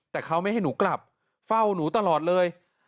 แต่เขาไม่ให้หนูกลับเฝ้าหนูตลอดเลย